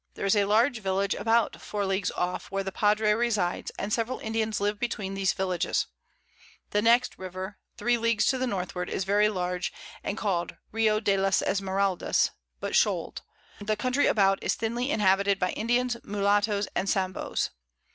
There is a large Village about 4 Leagues off, where the Padre resides, and several Indians live between these Villages. The next River, 3 Leagues to the Northward, is very large, and call'd Rio de las Esmeraldas, but shoal'd; the Country about is thinly inhabited by Indians, Mullattoes and Samboes.